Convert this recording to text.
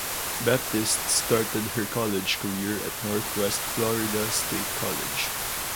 Baptiste started her college career at Northwest Florida State College.